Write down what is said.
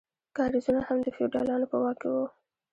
کاریزونه هم د فیوډالانو په واک کې وو.